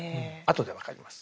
後で分かります。